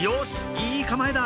いい構えだ！